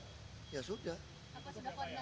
apa sudah koordinasi dengan kota